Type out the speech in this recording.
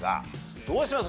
どうします？